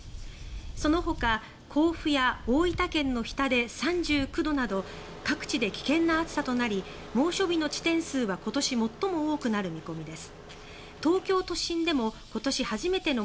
そのほか甲府や大分県の日田で３９度など各地で危険な暑さとなり猛暑日の地点数は今年最も多くなる見込みです。